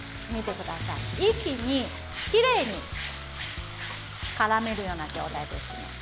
一気にきれいにからめるような状態ですので。